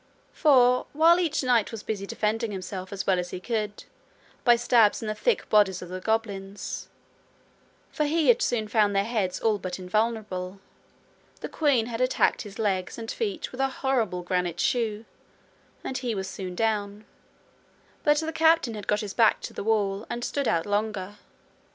For, while each knight was busy defending himself as well as he could, by stabs in the thick bodies of the goblins, for he had soon found their heads all but invulnerable, the queen had attacked his legs and feet with her horrible granite shoe, and he was soon down; but the captain had got his back to the wall and stood out longer.